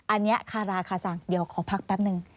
อันนี้คาราคาสั่งเดี๋ยวขอพักแป๊บนึง